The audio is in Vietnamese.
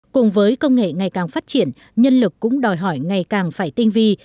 cùng với công nghệ ngày càng phát triển nhân lực cũng đòi hỏi ngày càng phải tinh vi